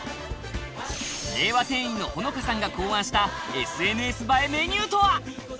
令和店員の穂乃花さんが考案したＳＮＳ映えメニューとは？